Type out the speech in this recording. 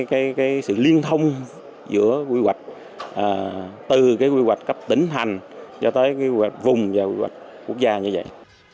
cái sự liên thông giữa quy hoạch từ cái quy hoạch cấp tỉnh hành cho tới quy hoạch vùng và quy hoạch quốc gia như vậy